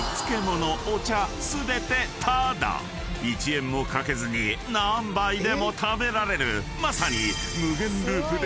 ［１円もかけずに何杯でも食べられるまさに］